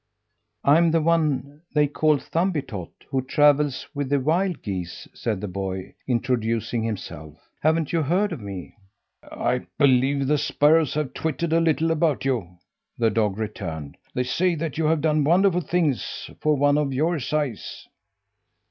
"I'm the one they call Thumbietot, who travels with the wild geese," said the boy, introducing himself. "Haven't you heard of me?" "I believe the sparrows have twittered a little about you," the dog returned. "They say that you have done wonderful things for one of your size."